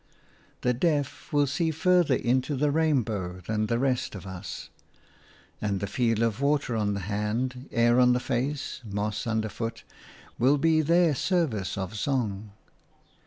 The deaf will see farther into the rainbow than the rest of us; and the feel of water on the hand, air on the face, moss under foot, will be their service of song.